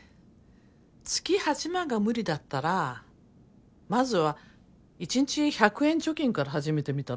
月８万が無理だったらまずは一日１００円貯金から始めてみたら？